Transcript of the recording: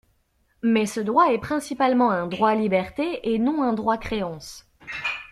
Mais ce droit est principalement un droit-liberté, et non un droit-créance.